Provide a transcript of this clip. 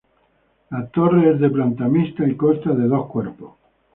La torre es de planta mixta y consta de dos cuerpos.